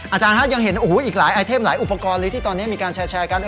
อาจารย์ฮะยังเห็นโอ้โหอีกหลายไอเทมหลายอุปกรณ์เลยที่ตอนนี้มีการแชร์กัน